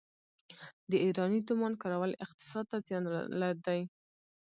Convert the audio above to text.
د ایراني تومان کارول اقتصاد ته زیان دی.